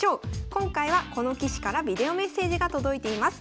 今回はこの棋士からビデオメッセージが届いています。